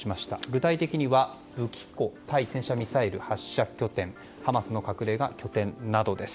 具体的には武器庫対戦車ミサイル発射拠点ハマスの隠れ家、拠点などです。